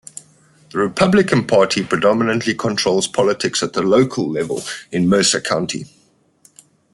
The Republican Party predominantly controls politics at the local level in Mercer County.